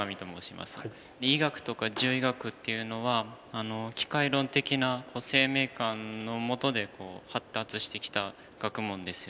医学とか獣医学っていうのは機械論的な生命観のもとで発達してきた学問ですよね。